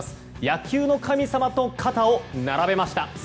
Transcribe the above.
野球の神様と肩を並べました。